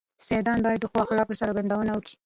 سيدان بايد د ښو اخلاقو څرګندونه وکي.